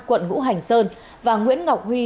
quận ngũ hành sơn và nguyễn ngọc huy